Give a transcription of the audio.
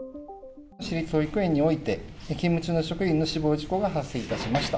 市立保育園において、勤務中の職員の死亡事故が発生いたしました。